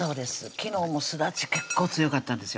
昨日もすだち結構強かったんですよ